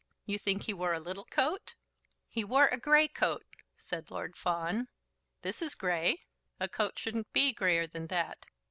You think he wore a little coat?" "He wore a grey coat," said Lord Fawn. "This is grey; a coat shouldn't be greyer than that."